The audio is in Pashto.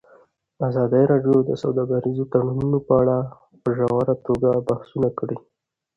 ازادي راډیو د سوداګریز تړونونه په اړه په ژوره توګه بحثونه کړي.